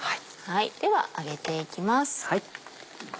では上げていきます。